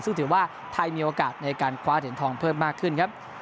ซึ่งถือว่าไทยมีโอกาสในการคว้าเหรียญทองเพิ่มมากขึ้นครับ